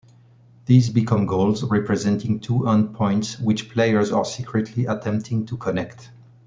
These become goals, representing two end-points which players are secretly attempting to connect.